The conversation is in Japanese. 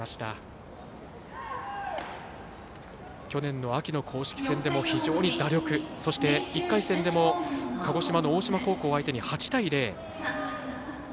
去年の秋の公式戦でも非常に打力、そして１回戦でも鹿児島の大島高校相手に８対０。